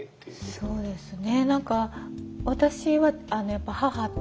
そうですね